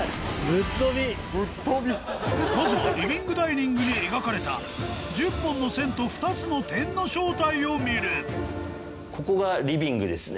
まずはリビングダイニングに描かれた１０本の線と２つの点の正体を見るここがリビングですね。